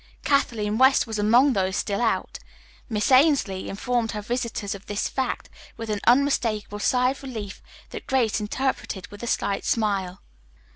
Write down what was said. Kathleen West was among those still out. Miss Ainslee informed her visitors of this fact with an unmistakable sigh of relief that Grace interpreted with a slight smile.